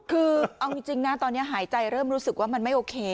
คือเอาจริงนะตอนนี้หายใจเริ่มรู้สึกว่ามันไม่โอเค